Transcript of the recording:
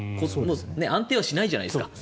安定はしないじゃないですか。